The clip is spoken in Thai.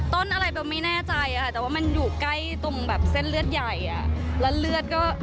ต้นอะไรเป็นไม่แน่ใจอ่ะค่ะดูมันอยู่ใกล้เส้นเลือดใหญ่และเลือดก็๐๙